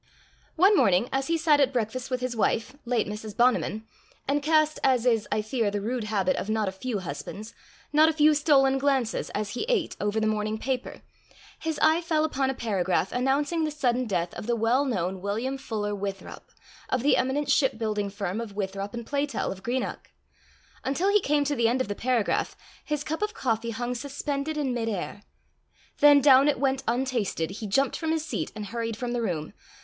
One morning, as he sat at breakfast with his wife, late Mrs. Bonniman, and cast, as is, I fear, the rude habit of not a few husbands, not a few stolen glances, as he ate, over the morning paper, his eye fell upon a paragraph announcing the sudden death of the well known William Fuller Withrop, of the eminent ship building firm of Withrop and Playtell, of Greenock. Until he came to the end of the paragraph, his cup of coffee hung suspended in mid air. Then down it went untasted, he jumped from his seat, and hurried from the room.